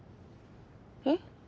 えっ？